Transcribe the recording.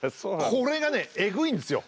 これがねえぐいんですよ。